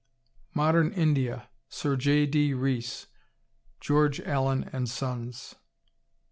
Modern India, Sir J. D. Rees, (George Allen and Sons.)